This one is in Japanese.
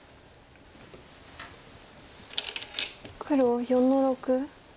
黒４の六。